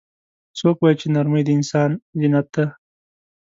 څوک وایي چې نرمۍ د انسان زینت ده